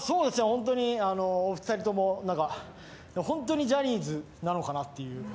お二人とも、ホントにジャニーズなのかなっていう。